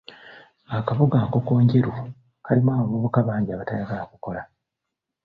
Akabuga Nkokonjeru kalimu abavubuka bangi abatayagala kukola.